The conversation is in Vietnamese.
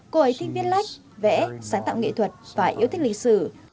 cô ấy thích viết lách vẽ sáng tạo nghệ thuật và yêu thích lịch sử